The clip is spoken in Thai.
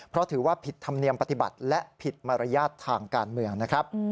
เพราะถือว่าผิดธรรมเนียมปฏิบัติและผิดมารยาททางการเมืองนะครับ